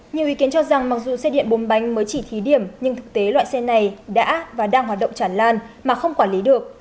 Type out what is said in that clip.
nhiều ý kiến cho rằng mặc dù xe điện bốn bánh mới chỉ thí điểm nhưng thực tế loại xe này đã và đang hoạt động chản lan mà không quản lý được